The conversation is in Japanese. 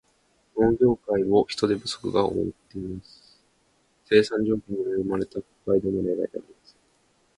農業界を人手不足が覆っています。生産条件に恵まれた北海道も例外ではありません。